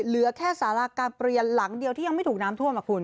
เหลือแค่สาราการเปลี่ยนหลังเดียวที่ยังไม่ถูกน้ำท่วมอ่ะคุณ